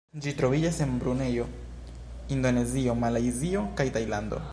Ĝi troviĝas en Brunejo, Indonezio, Malajzio ka Tajlando.